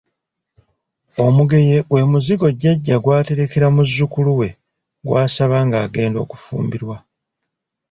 Omuguye gwe muzigo jjajja gw’aterekera muzzukulu we gw’asaaba ng’agenda okufumbirwa.